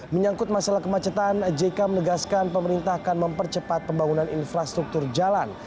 menyangkut masalah kemacetan jk menegaskan pemerintah akan mempercepat pembangunan infrastruktur jalan